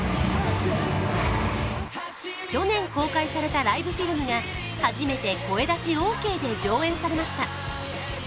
去年公開されたライブフィルムが初めて声出しオーケーで上映されました。